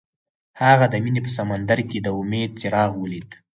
هغه د مینه په سمندر کې د امید څراغ ولید.